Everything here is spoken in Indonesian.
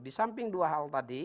disamping dua hal tadi